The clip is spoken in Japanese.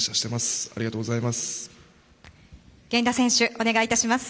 お願いします。